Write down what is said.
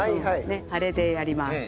あれでやります。